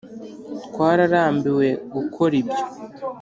Twararambiwe gukora ibyo